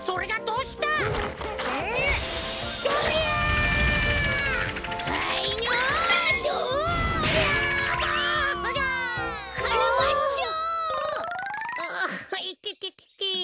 うういてててて。